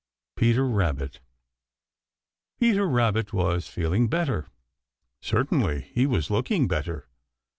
Peter Rabbit. Peter Rabbit was feeling better. Certainly he was looking better.